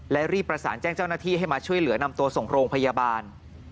และรีบประสานแจ้งเจ้าหน้าที่ให้มาช่วยเหลือนำตัวส่งโรงพยาบาล